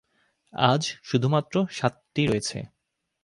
আজ শুধুমাত্র সাতটি রয়েছে।